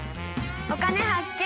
「お金発見」。